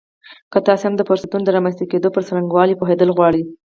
که تاسې هم د فرصتونو د رامنځته کېدو پر څرنګوالي پوهېدل غواړئ